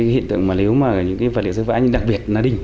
hiện tượng nếu mà những vật liệu rớt vãi đặc biệt nó đinh